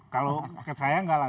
kalau saya enggak lah